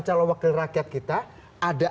calon wakil rakyat kita ada